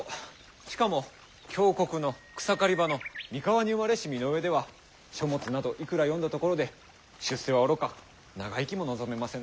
しかも強国の草刈り場の三河に生まれし身の上では書物などいくら読んだところで出世はおろか長生きも望めませぬ。